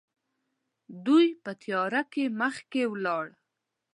دوی په تياره کې مخکې لاړل.